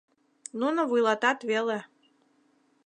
Нуно вуйлатат веле.